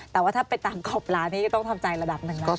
แต่ว่าถ้าไปตามกรอบร้านนี้ก็ต้องทำใจระดับหนึ่งแล้ว